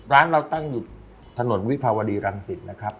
ร้านเราตั้งอยู่ถนนวิภาวดีรังสิตนะครับ